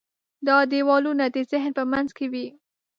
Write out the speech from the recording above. دا دیوالونه د ذهن په منځ کې وي.